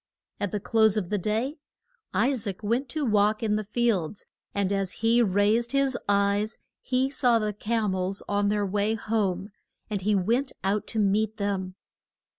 At the close of the day I saac went to walk in the fields, and as he raised his eyes he saw the cam els on their way home, and he went out to meet them.